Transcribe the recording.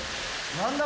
何だ？